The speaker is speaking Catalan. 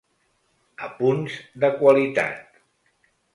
Apunts de qualitat.